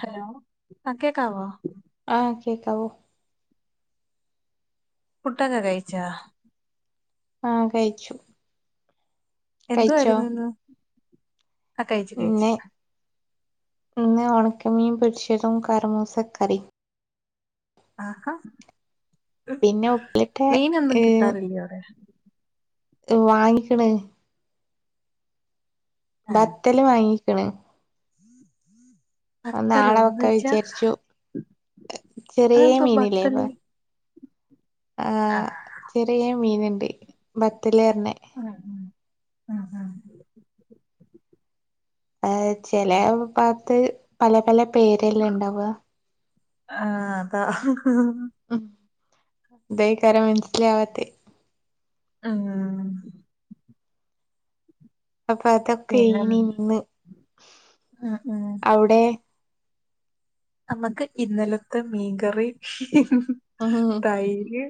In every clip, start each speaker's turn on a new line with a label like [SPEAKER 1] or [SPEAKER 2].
[SPEAKER 1] Hello ആഹ് കേക്കാവോ?
[SPEAKER 2] ആഹ്. കേക്കാവോ
[SPEAKER 1] ഫുഡൊക്കെ കഴിച്ചാ?
[SPEAKER 2] ആഹ് കഴിച്ചു. കഴിച്ചോ
[SPEAKER 1] എന്തുവായിരുന്നു ഇന്ന്. ആഹ് കഴിച്ച് കഴിച്ച്
[SPEAKER 2] ഇന്ന് ഇന്ന് ഒണക്കമീൻ പൊരിച്ചെതും, കർമൂസ കറിയും
[SPEAKER 1] ആഹാ.
[SPEAKER 2] പിന്നെ ഉപ്പിലിട്ടെ
[SPEAKER 1] മീനൊന്നും
[SPEAKER 2] ഏഹ്
[SPEAKER 1] കിട്ടാറില്ല അവടെ?
[SPEAKER 2] വാങ്ങിക്ക്ണ്.
[SPEAKER 1] ആ
[SPEAKER 2] നെത്തല് വാങ്ങിക്ക്ണ്. ആഹ്
[SPEAKER 1] ബത്തലോ
[SPEAKER 2] നാളെ
[SPEAKER 1] എന്ന്
[SPEAKER 2] വെക്കാ
[SPEAKER 1] വെച്ചാ
[SPEAKER 2] വിചാരിച്ചു. ചെറിയ
[SPEAKER 1] അതെന്തോ
[SPEAKER 2] മീനില്ലേ. പ്പ
[SPEAKER 1] ബത്തല് ആ
[SPEAKER 2] ആഹ് ചെറിയ മീന്ണ്ട്. ബെത്ത ലെർനെ‌.
[SPEAKER 1] ആഹ് ആഹ് ആഹ്
[SPEAKER 2] അഹ് ചെലേ ഭാഗത്ത് പല, പല പേരെല്ലേ ണ്ടാവാ.
[SPEAKER 1] ആഹ് അതാ.
[SPEAKER 2] ഉം. ദേ ക്കാരം മൻസിലാവത്തെ
[SPEAKER 1] ആഹ്
[SPEAKER 2] അപ്പൊ
[SPEAKER 1] പിന്നെ
[SPEAKER 2] അതൊക്കേയിനി ഇന്ന്.
[SPEAKER 1] ഉം, ഉം.
[SPEAKER 2] അവ്ടേ?
[SPEAKER 1] അമ്മക്ക് ഇന്നലത്തെ മീൻകറിം,
[SPEAKER 2] ഉം
[SPEAKER 1] തൈര്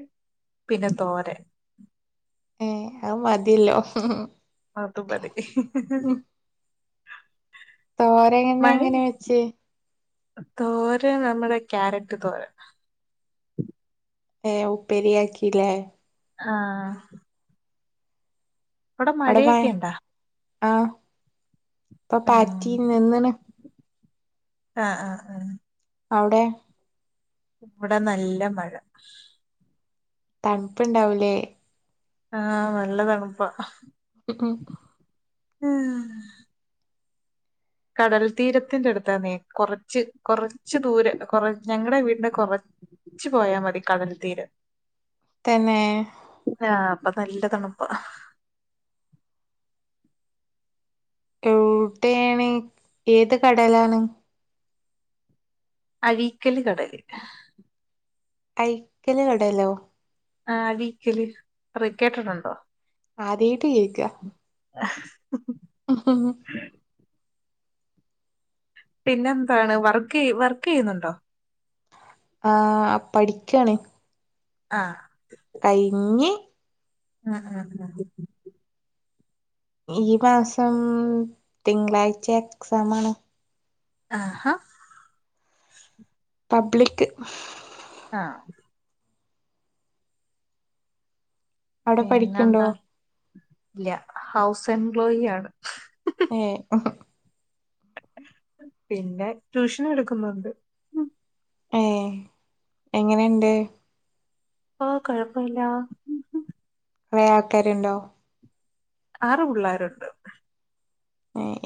[SPEAKER 1] പിന്നെ തോരൻ
[SPEAKER 2] ഉം. അഹ് മതില്ലോ?
[SPEAKER 1] അതു മതി. മഴ
[SPEAKER 2] തോരേനെങ്ങനെ വെച്ചേ?
[SPEAKER 1] തോരൻ നമ്മടെ ക്യാരറ്റ് തോരൻ
[SPEAKER 2] ഏഹ് ഉപ്പേരിയാക്കി ലേ.
[SPEAKER 1] ആഹ് അവ്ടെ
[SPEAKER 2] അവിടെ മ
[SPEAKER 1] മഴയൊക്കെ ണ്ടാ?
[SPEAKER 2] ആഹ് പ്പൊ
[SPEAKER 1] ഉം.
[SPEAKER 2] പാറ്റീന്ന്. നിന്ന്ണ്.
[SPEAKER 1] ആഹ് ആഹ് ആഹ്
[SPEAKER 2] അവ്ടോ?
[SPEAKER 1] ഇവ്ടെ നല്ല മഴ.
[SPEAKER 2] തൺപ്പ്ണ്ടാവും ലേ.
[SPEAKER 1] ആഹ് നല്ല തണ്പ്പാ.
[SPEAKER 2] [inaudible]
[SPEAKER 1] ആഹ് കടൽ തീരത്ത്ന്റെ അട്ത്താന്നേ. കൊറച്ച്, കൊറച്ച് ദൂരെ. കൊറ ഞങ്ങടെ വീട്ന്റെ കൊറ ച്ച് പോയാ മതി കടൽ തീരം.
[SPEAKER 2] തെന്നേ
[SPEAKER 1] ആ അപ്പം നല്ലതണുപ്പാ
[SPEAKER 2] ഡ്യൂട്ടിചെയ്യണേ ഏത് കടേലാണ്
[SPEAKER 1] അഴീക്കല് കടേല്
[SPEAKER 2] അയിക്കല് കടേലോ
[SPEAKER 1] ആ അഴീക്കല് അവ് കേട്ടിട്ടുണ്ടോ
[SPEAKER 2] ആദ്യായിട്ട് കേക്കാ
[SPEAKER 1] [inaudible]
[SPEAKER 2] ഓ ഹോ ഹൊ
[SPEAKER 1] പിന്നെന്താണ് വർക്ക് വർക്കുചെയ്യുന്നുണ്ടോ
[SPEAKER 2] ആ പഠിക്ക്യാണ്
[SPEAKER 1] ആ
[SPEAKER 2] കയിഞ്ഞ്
[SPEAKER 1] ആ ആ ആ
[SPEAKER 2] ഈമാസം തിങ്കളാഴ്ച എക്സാമാണ്
[SPEAKER 1] ആഹാ
[SPEAKER 2] പബ്ലിക്ക്
[SPEAKER 1] ആം
[SPEAKER 2] അവിടെ പഠിക്ക്ണ്ടോ
[SPEAKER 1] പിന്നെന്താ ഇല്ല ഹൗസ് എംപ്ലോയിയാണ്
[SPEAKER 2] ഏ ഒഹ്
[SPEAKER 1] പിന്നെ ട്യൂഷനും എടുക്കുന്നുണ്ട് ഉം
[SPEAKER 2] ഏ എങ്ങനെയൊണ്ട്
[SPEAKER 1] ഓ കൊഴപ്പമില്ല
[SPEAKER 2] കൊറെ ആൾക്കാരുണ്ടോ
[SPEAKER 1] ആറു പുള്ളേരൊണ്ട്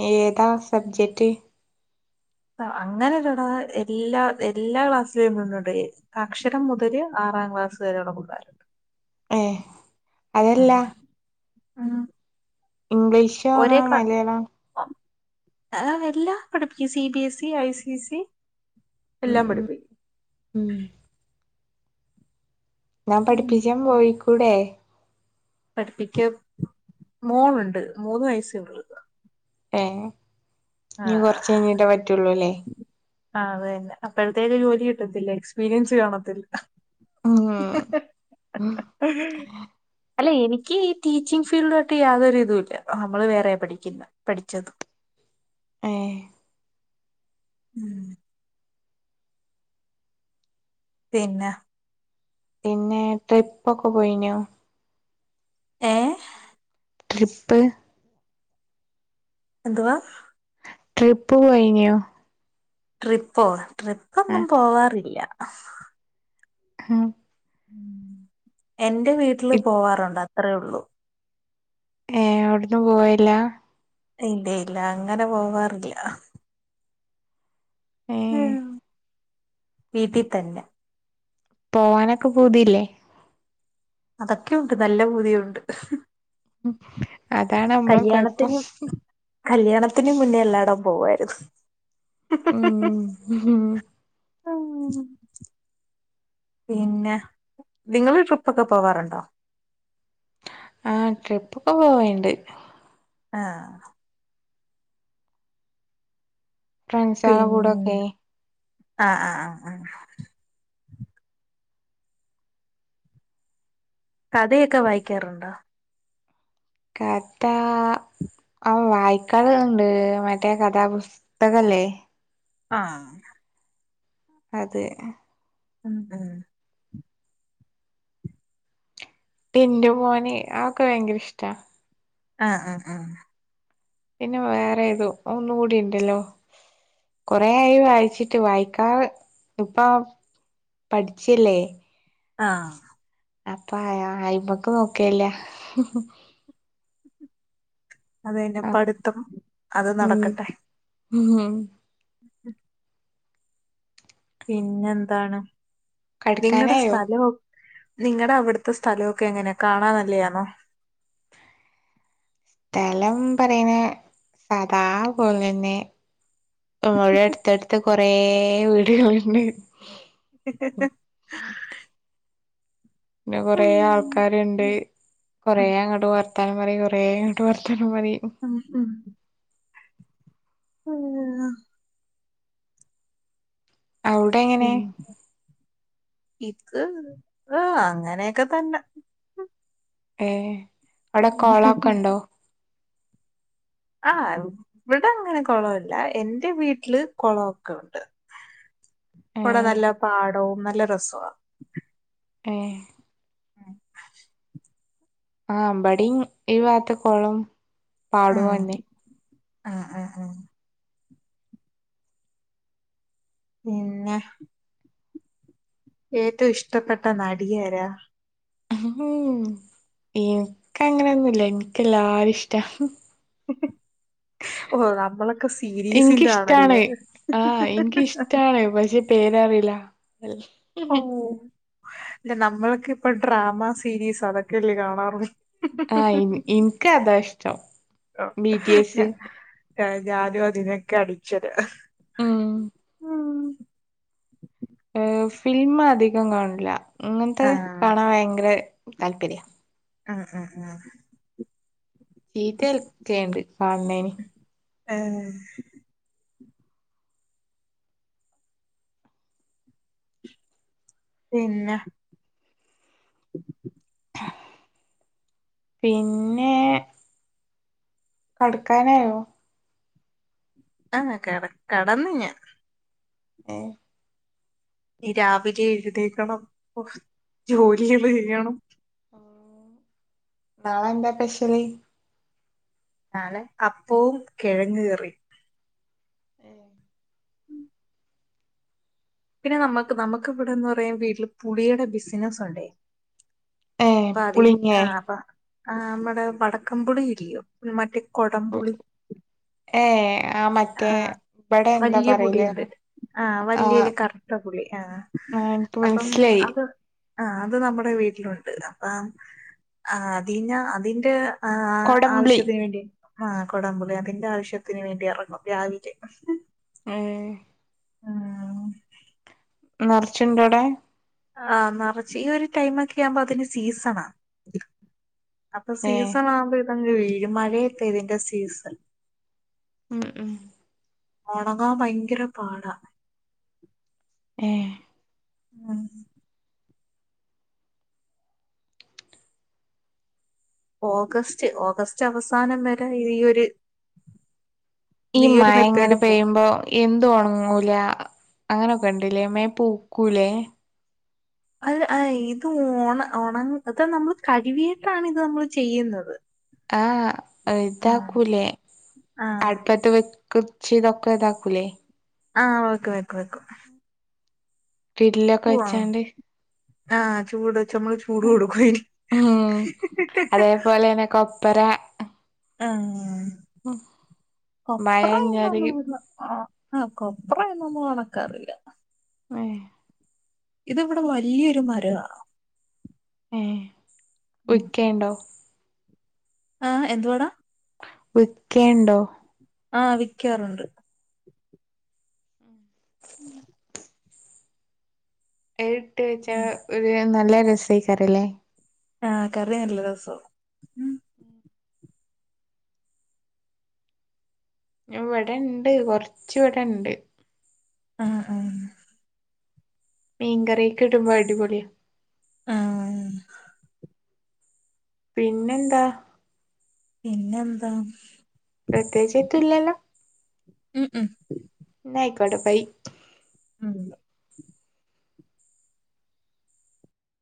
[SPEAKER 2] ഏതാ സബ്ജെക്റ്റ്
[SPEAKER 1] അങ്ങനെയല്ലെടാ എല്ലാ എല്ലാ ക്ലാസ്സിലും നിന്നൊണ്ട് അക്ഷരം മുതല് ആറാം ക്ലാസ് വരെയുള്ള പുള്ളേര്
[SPEAKER 2] ഏ അയല്ലാ
[SPEAKER 1] ആം
[SPEAKER 2] ഇംഗ്ലീഷാണോ മലയാളം
[SPEAKER 1] ആ എല്ലാംപഠിപ്പിക്കും C B S E, I C S C
[SPEAKER 2] ഉം ഉ ഉം ഞാൻ പഠിപ്പിച്ചാൻ പോയിക്കൂടെ
[SPEAKER 1] പഠിപ്പിക്കാൻ മോളുണ്ട് മൂന്നുവയസ്സേയൊള്ളൂ
[SPEAKER 2] ഏ
[SPEAKER 1] ആ
[SPEAKER 2] ഇനി കൊറച്ചുകഴിഞ്ഞിട്ടെ പറ്റുള്ളൂല്ലേ
[SPEAKER 1] ആ അതുതന്നെ അപ്പഴത്തേക്കും ജോലി കിട്ടത്തില്ലേ എക്സ്പീരിയൻസ് കാണത്തില്ല
[SPEAKER 2] ഉം
[SPEAKER 1] അല്ല എനിക്കീ ടീച്ചിങ് ഫീൽഡുമായിട്ട് യാതൊരു ഇതുമില്ല നമ്മള് വേറെയാ പഠിക്കുന്നെ പഠിച്ചത്
[SPEAKER 2] ഏ
[SPEAKER 1] ഉം പിന്നെ
[SPEAKER 2] പിന്നെ ട്രിപ്പൊക്കെ പോയിനോ
[SPEAKER 1] ഏ
[SPEAKER 2] ട്രിപ്പ്
[SPEAKER 1] എന്തുവാ
[SPEAKER 2] ട്രിപ്പ് പോയിഞ്ഞോ
[SPEAKER 1] ട്രിപ്പോ
[SPEAKER 2] ആ
[SPEAKER 1] ട്രിപ്പൊന്നും പോവാറില്ല
[SPEAKER 2] ഹ
[SPEAKER 1] ഉം എന്റെ വീട്ടില് പോവാറുണ്ട് അത്രേ ഒള്ളൂ
[SPEAKER 2] ഏ അവിട്ന്ന പോയില്ല
[SPEAKER 1] ഇല്ല ഇല്ല അങ്ങനെ പോവാറില്ല
[SPEAKER 2] ഏ
[SPEAKER 1] ഉം വിട്ടി തന്നെ
[SPEAKER 2] പോവാനൊക്കെ പൂതില്ലേ
[SPEAKER 1] അതൊക്കെ ഒണ്ട് നല്ല ബൂതിയുണ്ട്
[SPEAKER 2] ഉം അതാണ് നമ്മള് കൊഴ്പ്പം
[SPEAKER 1] കല്യാണത്തിന് കല്യാണത്തിന് മുന്നേ എല്ലാടം പോവാര്ന്നു
[SPEAKER 2] ഉം
[SPEAKER 1] ഉം പിന്നെ നിങ്ങള് ട്രിപ്പൊക്കെ പോവാറുണ്ടോ
[SPEAKER 2] ആഹ് ട്രിപ്പൊക്കെ പോവേണ്ട്
[SPEAKER 1] ആഹ്
[SPEAKER 2] ഫ്രണ്ട്സള കൂടെൊക്കെ
[SPEAKER 1] ആഹ് ആ ആ ആഹ് കഥയൊക്കെ വായിക്കാറുണ്ടോ
[SPEAKER 2] കഥ ആ വായിക്കറുണ്ട് മറ്റേ കഥാപുസ്തകില്ലേ
[SPEAKER 1] ആഹ്
[SPEAKER 2] അതെ
[SPEAKER 1] ഉം ഉം
[SPEAKER 2] ടിൻ്റു മോന് അതൊക്കെ ഭയങ്കരിഷ്ടാ.
[SPEAKER 1] ആഹ് ആഹ് ആഹ്
[SPEAKER 2] പിന്നെ വേറേതോ ഒന്നും കൂടി ഇണ്ടല്ലോ? കൊറേയായി വായിച്ചിട്ട് വായിക്കാ ഇപ്പൊം പഠിച്ചീല്ലേ.
[SPEAKER 1] ആഹ്
[SPEAKER 2] അപ്പോ അയ അയിമക്ക് നോക്കേല്ല.
[SPEAKER 1] അതേന്നെ പഠിത്തം അത്
[SPEAKER 2] ഉം
[SPEAKER 1] നടക്കട്ടെ.
[SPEAKER 2] ഉം
[SPEAKER 1] പിന്നെന്താണ് നിങ്ങടെ
[SPEAKER 2] കടക്കാനായോ
[SPEAKER 1] സ്ഥലവോ നിങ്ങടവിടുത്തെ സ്ഥലൊക്കെ എങ്ങനെ കാണാൻ നല്ലെയാണോ?
[SPEAKER 2] തെലം പറയ്‌ണെ സാദാപോലന്നെ. പ്പോയെടുത്തടുത്ത് കൊറേ വീടുകളുണ്ട്. പിന്നെ കൊറേ ആൾക്കാരുണ്ട് കൊറേ അങ്ങട്ട് വർ വർത്താന പറി കൊറേങ്ങട്ട് വർത്താനം പറയും
[SPEAKER 1] ഉം ഉം ഊ അ
[SPEAKER 2] ഔ
[SPEAKER 1] പിന്നെ ഇത് ആഹ് അങ്ങനേക്കെ തന്നെ.
[SPEAKER 2] ഏഹ് അവടെ കൊളോക്കെണ്ടോ?
[SPEAKER 1] ആഹ് ഇവിടങ്ങനെ കൊളൊല്ല എന്റെ വീട്ടില് കൊളോക്കുണ്ട്.
[SPEAKER 2] ഏ
[SPEAKER 1] ഇവ്ടെ നല്ല പാടോം നല്ല രസാ
[SPEAKER 2] ഏഹ് ആഹ് ഇമ്പടിം ഈ വാത്ത് കൊളോം പാടുഅന്നെ.
[SPEAKER 1] ആഹ് ആഹ് ആഹ് പിന്നെ ഏറ്റൊ ഇഷ്ടപ്പെട്ട നടിയാരാ?
[SPEAKER 2] ഉം ഇൻക്കങ്ങനൊന്നുല്ല. ഇൻകെല്ലാരിഷ്ട.
[SPEAKER 1] ഓഹ് നമ്മളൊക്കെ സീരീസിന്റെ
[SPEAKER 2] ഇൻക്കിഷ്ടാണ്
[SPEAKER 1] ആളല്ലേ.
[SPEAKER 2] ആ ഇൻക്കിഷ്ടാണ് പക്ഷെ പേരറിയില്ല വെ
[SPEAKER 1] ഓഹ് ഇല്ല നമ്മൾക്കിപ്പൊ ഡ്രാമ സീരീസ് അതൊക്കെല്ലേ കാണാറു
[SPEAKER 2] ആഹ് ഇൻ ഇൻക്കതാഷ്ടം ബി ടി എസ്.
[SPEAKER 1] ആഹ് ഞാനു അതിനൊക്കെ അഡിക്ഷനാ
[SPEAKER 2] ഉം
[SPEAKER 1] ഉം
[SPEAKER 2] ഉം ഫില്മ് അധികം കാണില്ല
[SPEAKER 1] ആ
[SPEAKER 2] ഇങ്ങനത്തെ കാണാൻ ഭയങ്കര താല്പര്യ.
[SPEAKER 1] ആഹ് ആഹ് ആഹ്
[SPEAKER 2] ചീത്ത ഏൽക്കെയേണ്ട് കാണ്‌ണേന്.
[SPEAKER 1] ഏഹ് പിന്നെ?
[SPEAKER 2] പിന്നെ കട്ക്കാനായോ?
[SPEAKER 1] ആഹ് കട കടന്നു ഞാൻ.
[SPEAKER 2] ഏഹ്
[SPEAKER 1] രാവിലെ എഴുന്നേക്കണം ഓഹ് ജോലികള് ചെയ്യണം
[SPEAKER 2] നാളെ എന്താ സ്പെഷ്യല്
[SPEAKER 1] എന്നാലെ അപ്പവും കിഴങ്ങ കറിയും
[SPEAKER 2] ഉം
[SPEAKER 1] പിന്നെ നമുക്ക് നമുക്ക് ഇവിടെന്ന് പറയാ വീട്ടില് പുളിയുടെ ബിസിനസ് ഉണ്ടെയ്
[SPEAKER 2] ഏ
[SPEAKER 1] അപ്പ അതി
[SPEAKER 2] പുളിങ്ങേ
[SPEAKER 1] ആഹ് അപ്പൊ ആ നമ്മടെ വടക്കൻപുളി ഇല്ലയോ ഉം മറ്റേ കൊടംപുളി
[SPEAKER 2] ഏഹ് ആഹ് മ
[SPEAKER 1] ആഹ് വലിയ പുളിയുണ്ട് ആഹ്
[SPEAKER 2] ആ
[SPEAKER 1] വലിയല് കറുത്ത പുളി ആഹ്
[SPEAKER 2] ആ എനിക്ക്
[SPEAKER 1] അപ്പം
[SPEAKER 2] മനസ്സിലായി
[SPEAKER 1] അത് ആഹ് അത് നമ്മുടെ വീട്ടിലുണ്ട് അപ്പം ആ അതിഞ്ഞ അതിന്റെ ആഹ്
[SPEAKER 2] കൊടംപുളി
[SPEAKER 1] ആവശ്യത്തിന് വേണ്ടി ആ കൊടംമ്പുളി അതിന്റെ ആവശ്യത്തിന് വേണ്ടി ഇറങ്ങും രാവിലെ
[SPEAKER 2] ഉം
[SPEAKER 1] ഊം
[SPEAKER 2] നിറച്ചുണ്ടോടെ
[SPEAKER 1] ആഹ് നിറച്ച് ഈ ഒരു ടൈമൊക്കെ ആവുമ്പോ അതിന് സീസണാ അപ്പൊ
[SPEAKER 2] ഏ
[SPEAKER 1] സീസൺ ആവുമ്പോ ഇതങ്‌ വീഴും മഴയത്തെ ഇതിന്റെ സീസൺ
[SPEAKER 2] ഉം ഉം
[SPEAKER 1] ഉണങ്ങാൻ ഭയങ്കര പാടാ
[SPEAKER 2] ഏഹ്
[SPEAKER 1] ഉം ഓഗസ്റ്റ് ഓഗസ്റ്റ് അവസാനം വരെ ഈ ഒരു
[SPEAKER 2] ഈ
[SPEAKER 1] ഒരു
[SPEAKER 2] മഴ
[SPEAKER 1] മെത്തേഡ്
[SPEAKER 2] ങ്ങനെ
[SPEAKER 1] പോവും
[SPEAKER 2] പെയ്യുമ്പോ എന്തു ഉണങ്ങൂല അങ്ങനെയൊക്കെ ണ്ടല്ലേ മേ പൂക്കൂലേ
[SPEAKER 1] അൽ ആഹ് ഇത് ഓണ ഓണം അതാ നമ്മൾ കഴുകിയിട്ടാണ് ഇത് നമ്മൾ ചെയ്യുന്നത്
[SPEAKER 2] ആഹ്
[SPEAKER 1] ആ
[SPEAKER 2] ഇതാക്കൂലെ
[SPEAKER 1] ആ
[SPEAKER 2] അടുപ്പത്തെ വ കുച്ച് തൊക്കെ താക്കുലേ
[SPEAKER 1] ആഹ് ഓക്കെ വെക്കു വെക്കു
[SPEAKER 2] ഗ്രില്ലൊക്കെ വെച്ചാണ്ട്
[SPEAKER 1] ആഹ് ചൂട് ച്ചമ്മഹ് ചൂട് കൊടുക്കായി
[SPEAKER 2] അതേപോലെനെ കോഫ്‌ പരാ
[SPEAKER 1] ഉം കൊപ്രം
[SPEAKER 2] മഴഞ്ഞാല്
[SPEAKER 1] [unintelligible] ആഹ് ഹ കൊപ്ര എന്നൊന്നും ഉണക്കറില്ല
[SPEAKER 2] അഹേ
[SPEAKER 1] ഇത് ഇവടെ വല്ല്യൊരു മരവാ
[SPEAKER 2] ഏഹ് ഒക്കേണ്ടോ
[SPEAKER 1] ആഹ് എന്തുവാടാ
[SPEAKER 2] വിക്കേണ്ടോ
[SPEAKER 1] ആഹ് വിക്കാറുണ്ട്
[SPEAKER 2] എയ്ട്ട് വെച്ചാ
[SPEAKER 1] ഉം.
[SPEAKER 2] ഒരു നല്ല രസയികാരല്ലേ
[SPEAKER 1] ആഹ് കറി നല്ല രസോ
[SPEAKER 2] ഇവിടെ ഇണ്ട് കൊർച് ഇവിടെണ്ട്
[SPEAKER 1] ആഹ് ആഹ്
[SPEAKER 2] മീൻകറീക് ഇടുമ്പോ അടിപൊളിയ
[SPEAKER 1] ആഹ്
[SPEAKER 2] പിന്നെന്താ
[SPEAKER 1] പിന്നെന്താ
[SPEAKER 2] പ്രത്യേച്ച് എത്തു ല്ലല്ലോ
[SPEAKER 1] ഉം ഉം
[SPEAKER 2] ന്നാ ആയ്കോട്ടെ ബൈ
[SPEAKER 1] ഉം